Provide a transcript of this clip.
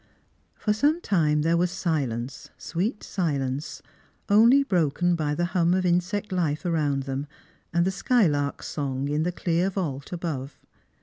For some time there was silence, sweet silence, only broken by the hum of insect life around them, and the skylark's song in the clear vault above.